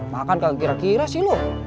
makan kagak kira kira sih lu